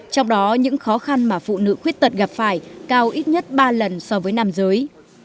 trong đó những khó khăn mà phụ nữ khuyết tật gặp phải cao ít nhất ba lần so với nam giới